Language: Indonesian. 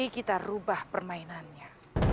kita rubah permainannya